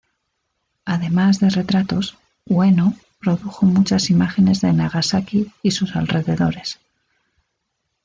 Además de retratos, Ueno produjo muchas imágenes de Nagasaki y sus alrededores.